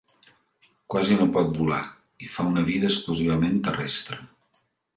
Quasi no pot volar i fa una vida exclusivament terrestre.